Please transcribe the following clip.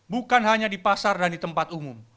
bukan hanya di pasar dan di tempat umum